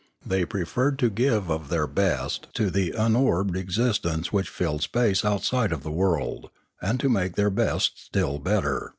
They preferred to give of their best to the unorbed existence which filled space outside of the world, and to make their best still better.